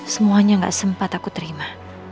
semuanya gak sempat aku terima